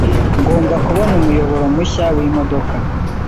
Ngomba kubona umuyoboro mushya wimodoka.